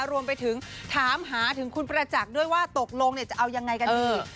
รวมไปถึงถามหาถึงคุณประจักษ์ด้วยว่าตกลงจะเอายังไงกันดี